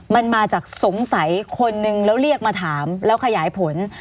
มันมาจากสงสัยคนนึงแล้วเรียกมาถามแล้วขยายผล